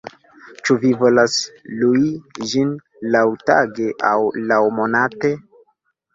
Ĉu vi volas lui ĝin laŭtage aŭ laŭmonate?